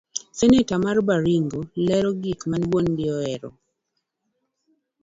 Seneta mar Baringo lero gik mane wuon gi ihero.